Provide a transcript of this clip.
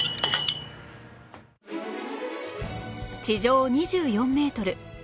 地上２４メートル